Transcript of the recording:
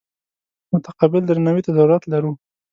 متقابل درناوي ته ضرورت لرو.